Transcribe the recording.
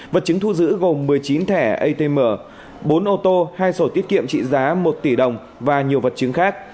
vật chứng thu giữ gồm một mươi chín thẻ atm bốn ô tô hai sổ tiết kiệm trị giá một tỷ đồng và nhiều vật chứng khác